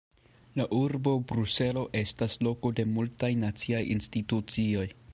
La Urbo Bruselo estas loko de multaj naciaj institucioj.